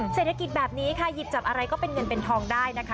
เศรษฐกิจแบบนี้ค่ะหยิบจับอะไรก็เป็นเงินเป็นทองได้นะคะ